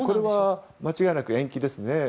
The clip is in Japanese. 間違いなく延期ですね。